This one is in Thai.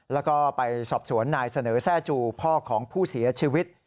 แล้วก็ไปสอบสวนนายเสนอแร่จูพ่อของผู้เสียชีวิต